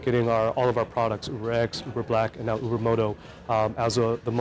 ตั้งใจแก้การแก้เป็นฝันกรม